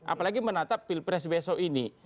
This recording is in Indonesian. apalagi menatap pilpres besok ini